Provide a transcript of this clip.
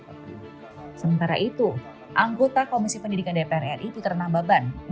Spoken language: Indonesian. sementara itu anggota komisi pendidikan dpr ri puternambaban